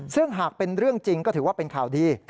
ซึ่งหากเป็นเรื่องจริงก็ถือว่าเป็นข่าวดี